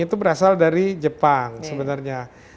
itu berasal dari jepang sebenarnya